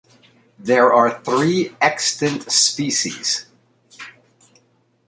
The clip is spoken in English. There are three extant species.